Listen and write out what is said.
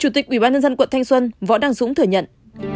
chủ tịch ubnd quận thanh xuân võ đăng dũng thừa nhận